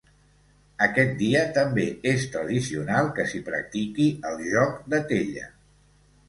Aquest dia també és tradicional que s'hi practiqui el joc de tella.